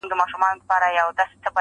د اصلاح په خاطر ساعتونه ساعتونه